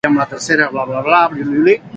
Acomodar-se al temps.